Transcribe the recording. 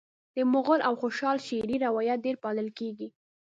د مغل او خوشحال شعري روایت ډېر پالل کیږي